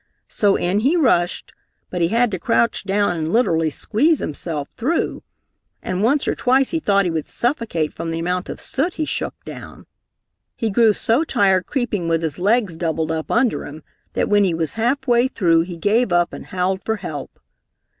So in he rushed, but he had to crouch down and literally squeeze himself through. And once or twice he thought he would suffocate from the amount of soot he shook down. He grew so tired creeping with his legs doubled up under him that when he was half way through he gave up and howled for help.